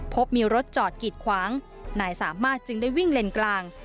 พบมีรถจอดกีดขวางนายสามารถจึงได้วิ่งเลนกลาง